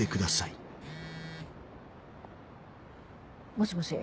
もしもし。